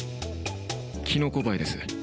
キノコバエです。